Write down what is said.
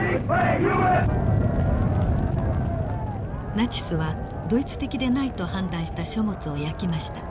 ナチスはドイツ的でないと判断した書物を焼きました。